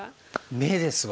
眼ですわ。